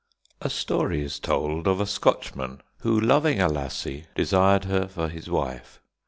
A story is told of a Scotchman who, loving a lassie, desired her for his wife.